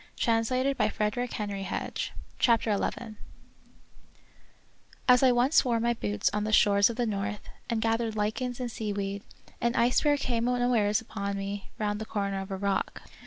io8 The Wonderful History CHAPTER XL As I once wore my boots on the shores of the north, and gathered lichens and sea weed, an ice bear came unawares upon me round the corner of a rock.